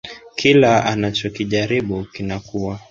Kila anachokijaribu kinakuwa